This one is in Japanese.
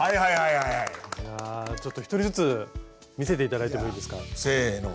いやちょっと１人ずつ見せて頂いてもいいですか？せの。